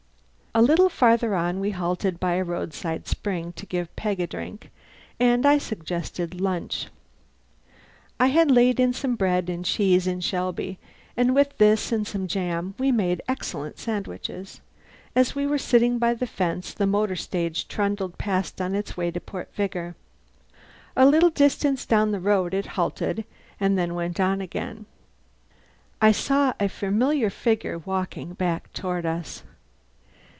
A little farther on we halted by a roadside spring to give Peg a drink, and I suggested lunch. I had laid in some bread and cheese in Shelby, and with this and some jam we made excellent sandwiches. As we were sitting by the fence the motor stage trundled past on its way to Port Vigor. A little distance down the road it halted, and then went on again. I saw a familiar figure walking back toward us.